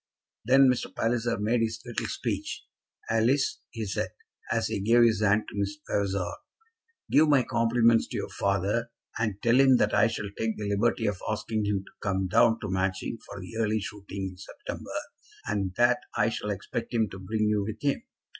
Then Mr. Palliser made his little speech. "Alice," he said, as he gave his hand to Miss Vavasor, "give my compliments to your father, and tell him that I shall take the liberty of asking him to come down to Matching for the early shooting in September, and that I shall expect him to bring you with him.